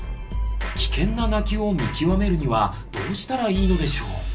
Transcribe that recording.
危険な泣きを見極めるにはどうしたらいいのでしょう。